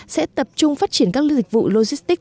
sẽ tập trung phát triển các dịch vụ logistics